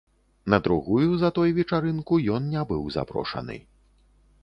На другую за той вечарынку ён не быў запрошаны.